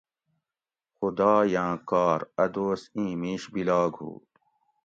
خُدایاۤں کار اۤ دوس اِیں مِیش بِلاگ ہُو